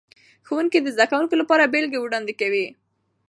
ښوونکي د زده کوونکو لپاره بیلګې وړاندې کوي.